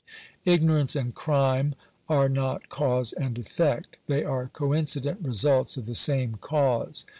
Ignorance and crime are not cause and effect ; they are coincident results of the same cause.